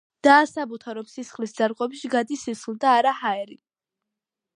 დაასაბუთა, რომ სისხლის ძარღვებში გადის სისხლი და არა ჰაერი.